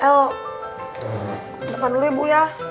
el depan dulu ibu ya